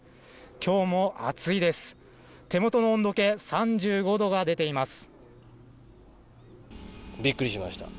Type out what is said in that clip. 今日も暑いです、手元の温度計、３５度が出ています。